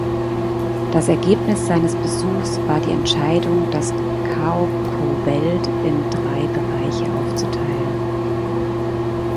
Das Ergebnis seines Besuchs war die Entscheidung das Kaokoveld in drei Bereiche aufzuteilen.